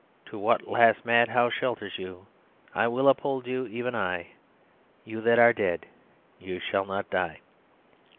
To what last madhouse shelters you I will uphold you, even I. You that are dead. You shall not die.)"